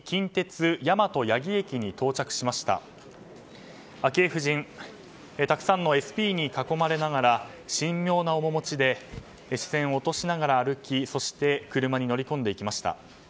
たくさんのＳＰに囲まれながら神妙な面持ちで視線を落としながら歩きそして車に乗り込んでいきました。